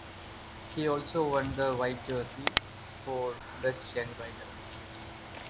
He also won the White Jersey, for best young rider.